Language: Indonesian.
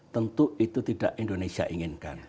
tentu itu tidak indonesia inginkan